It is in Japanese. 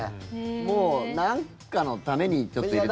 もう、なんかのためにちょっと入れとく。